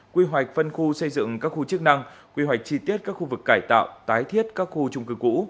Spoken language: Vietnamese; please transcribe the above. quy hoạch phân khu xây dựng các khu chức năng quy hoạch chi tiết các khu vực cải tạo tái thiết các khu trung cư cũ